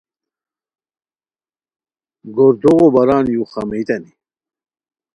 گوردوغو باران یوخا میئتانی